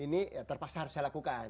ini terpaksa harus dilakukan